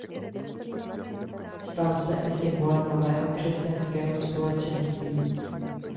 Stal se i symbolem nového křesťanského společenství.